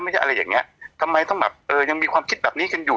อะไรอย่างเงี้ยทำไมต้องแบบเออยังมีความคิดแบบนี้กันอยู่